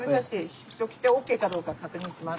試食してＯＫかどうか確認します。